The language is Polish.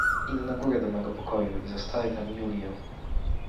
"Idę na górę do mego pokoju i zastaję tam Julię."